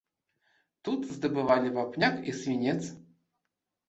Тут здабывалі вапняк і свінец.